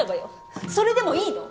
それでもいいの？